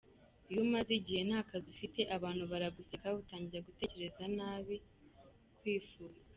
Iyo umaze igihe ntakazi ufite abantu baraguseka, utangira gutekereza nabi, kwifuza….